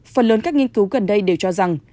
phần lớn các nghiên cứu gần đây đều cho rằng